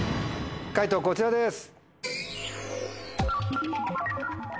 解答こちらです。